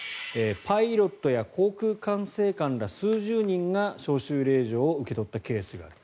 パイロットや航空管制官ら数十人が招集令状を受け取ったケースがある。